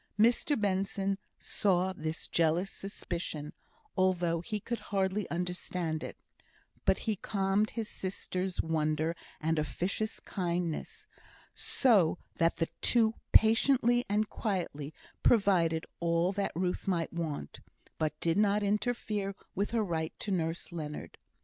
Mr Benson saw this jealous suspicion, although he could hardly understand it; but he calmed his sister's wonder and officious kindness, so that the two patiently and quietly provided all that Ruth might want, but did not interfere with her right to nurse Leonard.